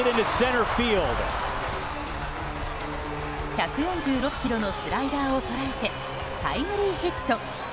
１４６キロのスライダーを捉えてタイムリーヒット。